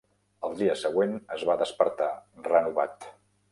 El dia següent es va despertar renovat.